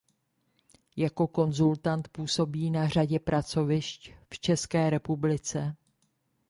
Jako konzultant působí na řadě pracovišť v České republice.